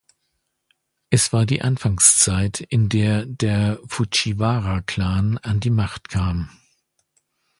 Es war die Anfangszeit, in der der Fujiwara-Klan an die Macht kam.